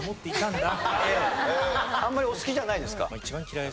あんまりお好きじゃないですか？